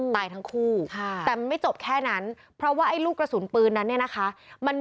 ตายทั้งคู่ค่ะ